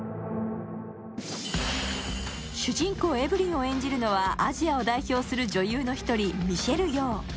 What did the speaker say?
主人公エヴリンを演じるのはアジアを代表する女優の１人、ミシェル・ヨー。